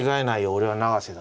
俺は永瀬だと。